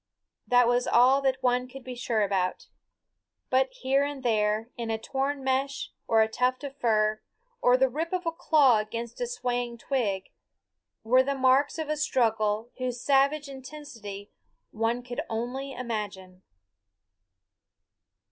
That was all that one could be sure about. But here and there, in a torn mesh, or a tuft of fur, or the rip of a claw against a swaying twig, were the marks of a struggle whose savage intensity one could only imagine.